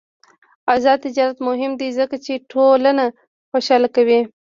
آزاد تجارت مهم دی ځکه چې ټولنه خوشحاله کوي.